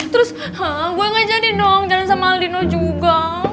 terus gue gak jadi dong jalan sama aldino juga